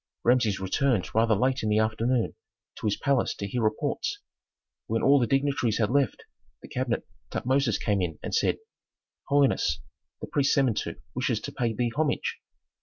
Rameses returned rather late in the afternoon to his palace to hear reports. When all the dignitaries had left the cabinet Tutmosis came in and said, "Holiness, the priest Samentu wishes to pay thee homage."